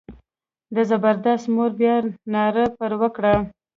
د زبردست مور بیا ناره پر وکړه.